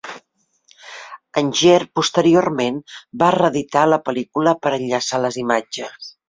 Anger posteriorment va reeditar la pel·lícula per enllaçar les imatges.